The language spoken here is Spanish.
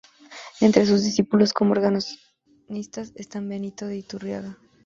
Entre sus discípulos como organistas están Benito de Iturriaga.